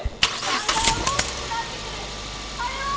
「だんだん大きくなってくるあれは！」。